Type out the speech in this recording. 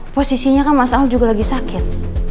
posisinya kan mas au juga lagi sakit